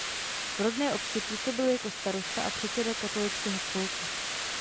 V rodné obci působil jako starosta a předseda katolického spolku.